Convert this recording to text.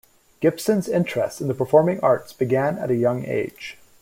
Gibson's interest in the performing arts began at a young age.